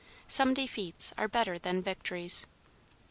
Some defeats are better than victories.